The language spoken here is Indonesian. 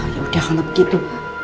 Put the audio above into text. yaudah kalau begitu